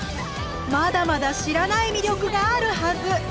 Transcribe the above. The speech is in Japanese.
まだまだ知らない魅力があるはず！